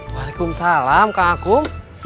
waalaikumsalam kang akum